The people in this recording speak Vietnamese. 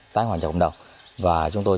tái hoàn cho cộng đồng và chúng tôi